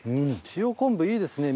塩昆布いいですね！